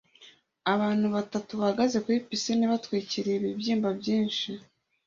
Abana batatu bahagaze kuri pisine batwikiriye ibibyimba byinshi